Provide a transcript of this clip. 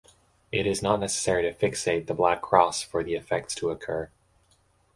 It is not necessary to fixate the black cross for the effects to occur.